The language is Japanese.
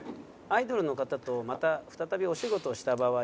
「アイドルの方とまた再びお仕事をした場合」。